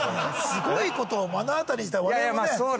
すごいことを目の当たりにした我々もね。